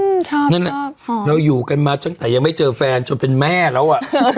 นั่นแหละเราอยู่กันมาตั้งแต่ยังไม่เจอแฟนจนเป็นแม่แล้วอ่ะ